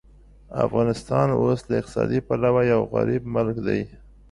افغانستان اوس له اقتصادي پلوه یو غریب ملک دی.